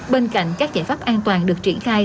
bên cạnh các giải pháp an toàn được triển khai